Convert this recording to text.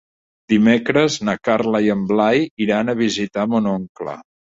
Dimecres na Carla i en Blai iran a visitar mon oncle.